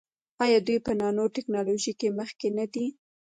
آیا دوی په نانو ټیکنالوژۍ کې مخکې نه دي؟